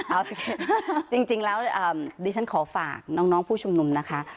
เอาสิจริงแล้วดิฉันขอฝากน้องผู้ชุมนุมนะคะ